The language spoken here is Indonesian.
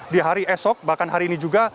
di hari esok bahkan hari ini juga